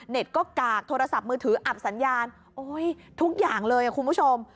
ก็กากโทรศัพท์มือถืออับสัญญาณโอ้ยทุกอย่างเลยคุณผู้ชม